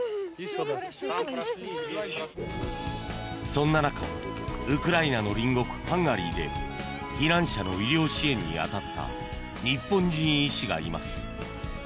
そんな中、ウクライナの隣国ハンガリーで避難者の医療支援に当たった日本人医師がいます。